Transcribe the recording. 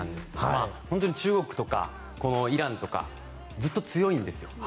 中国とかイランとかずっと強いんですよ。